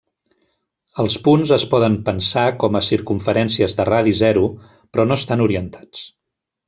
Els punts es poden pensar com a circumferències de radi zero, però no estan orientats.